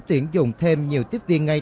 tuyển dụng thêm nhiều tiếp viên ngay